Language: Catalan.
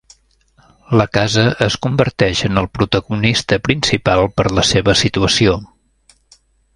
La casa es converteix en el protagonista principal per la seva situació.